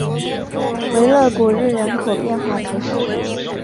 维勒古日人口变化图示